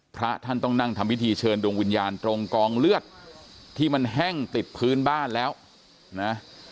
พระท่านต้องนั่งทำพิธีเชิญดวงวิญญาณตรงกองเลือดที่มันแห้งติดพื้นบ้านแล้วนะ